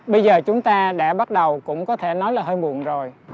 bây giờ chúng ta đã bắt đầu cũng có thể nói là hơi muộn rồi